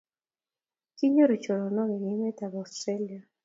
Kinyoru choronok eng emetab Australia